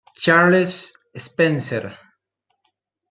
Charles Spencer.